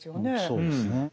そうですね。